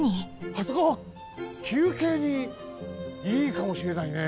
あそこきゅうけいにいいかもしれないね。